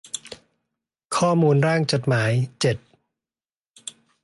ข้อมูลร่างกฏหมาย เจ็ด